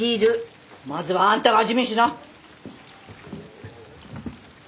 まずはあんたが味見しな！